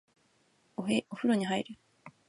お風呂に入る